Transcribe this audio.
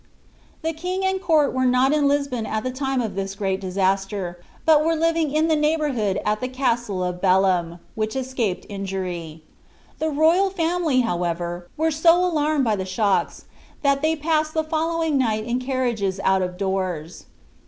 The king and court were not in Lisbon at the time of this great disaster, but were living in the neighborhood at the castle of Belem, which escaped injury. The royal family, however, were so alarmed by the shocks, that they passed the following night in carriages out of doors.